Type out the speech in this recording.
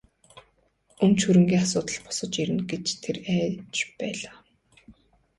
Өмч хөрөнгийн асуудал босож ирнэ гэж тэр их айж байлаа.